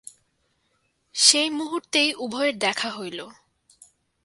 সেই মুহূর্তেই উভয়ের দেখা হইল।